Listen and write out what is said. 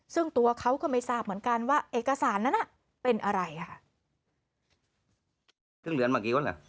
ซึ่งตัวเขาก็ไม่ทราบเหมือนกันว่าเอกสารนั้นน่ะเป็นอะไรค่ะ